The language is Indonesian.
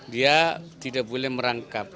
dia tidak boleh merangkap